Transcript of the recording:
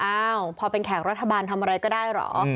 อ้าวพอเป็นแขกรัฐบาลทำอะไรก็ได้เหรอ